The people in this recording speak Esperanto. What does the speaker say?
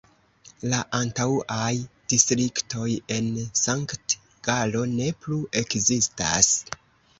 La antaŭaj distriktoj en Sankt-Galo ne plu ekzistas.